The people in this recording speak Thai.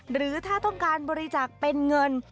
หรือถ้าต้องการบริจาคเป็นเงิน